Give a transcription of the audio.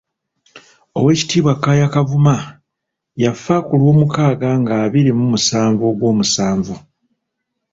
Owekitiibwa Kaaya Kavuma yafa ku lwomukaaga nga abiri mu musanvu Ogwomusanvu.